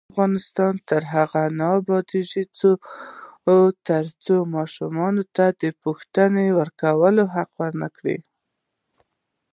افغانستان تر هغو نه ابادیږي، ترڅو ماشوم ته د پوښتنې کولو حق ورکړل نشي.